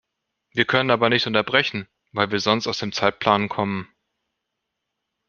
Wir können aber nicht unterbrechen, weil wir sonst aus dem Zeitplan kommen.